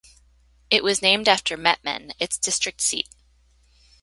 It was named after Mettmann, its district seat.